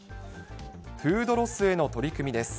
フードロスへの取り組みです。